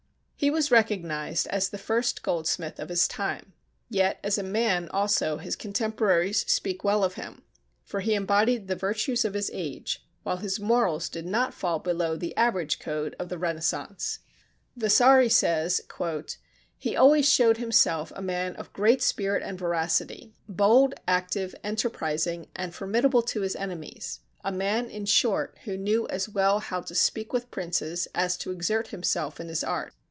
He was recognized as the first goldsmith of his time; yet as a man also his contemporaries speak well of him, for he embodied the virtues of his age, while his morals did not fall below the average code of the Renaissance. Vasari says: "He always showed himself a man of great spirit and veracity; bold, active, enterprising, and formidable to his enemies; a man, in short, who knew as well how to speak with princes as to exert himself in his art."